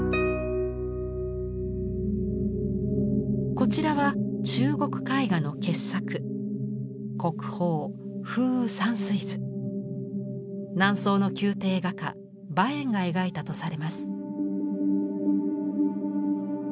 こちらは中国絵画の傑作南宋の宮廷画家馬遠が描いたとされます。